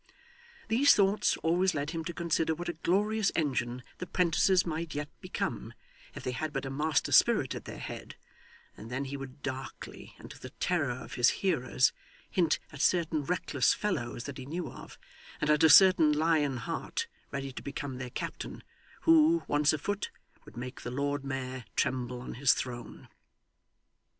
These thoughts always led him to consider what a glorious engine the 'prentices might yet become if they had but a master spirit at their head; and then he would darkly, and to the terror of his hearers, hint at certain reckless fellows that he knew of, and at a certain Lion Heart ready to become their captain, who, once afoot, would make the Lord Mayor tremble on his throne.